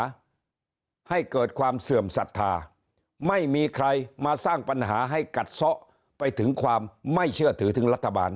ให้เกิดความเสื่อมศรัทธาไม่มีใครมาสร้างปัญหาให้กัดซะไปถึงความไม่เชื่อถือถึงรัฐบาล